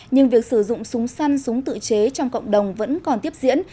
nhưng việc sử dụng súng săn súng tự chế trong cộng đồng vẫn còn tiếp diễn